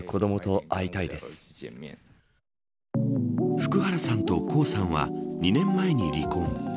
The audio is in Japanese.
福原さんと江さんは２年前に離婚。